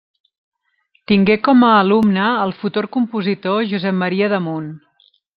Tingué com a alumne el futur compositor Josep Maria Damunt.